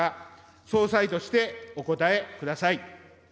総裁としてお答えください。